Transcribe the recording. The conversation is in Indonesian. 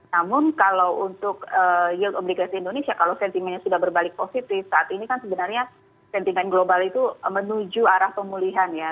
namun kalau untuk yield obligasi indonesia kalau sentimennya sudah berbalik positif saat ini kan sebenarnya sentimen global itu menuju arah pemulihan ya